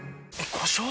故障？